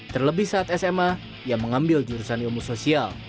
terlebih saat sma ia mengambil jurusan ilmu sosial